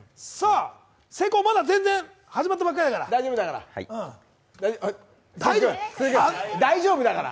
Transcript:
聖光もまだ始まったばっかりだから、大丈夫だから。